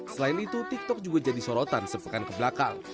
selain itu tiktok juga jadi sorotan sepekan ke belakang